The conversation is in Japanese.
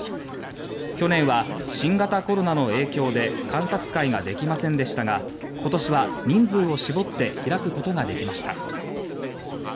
去年は新型コロナの影響で観察会ができませんでしたが今年は人数を絞って開くことができました。